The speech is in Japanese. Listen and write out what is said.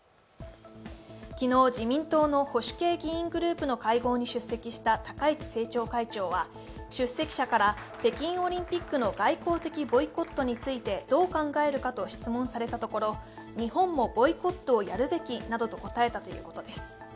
昨日、自民党の保守系議員グループの会合に出席した高市政調会長は出席者から、北京オリンピックの外交的ボイコットについてどう考えるかと質問されたところ、日本もボイコットをやるべきなどと答えたということです。